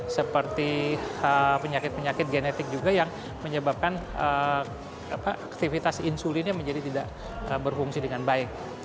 seperti penyakit penyakit genetik juga yang menyebabkan aktivitas insulinnya menjadi tidak berfungsi dengan baik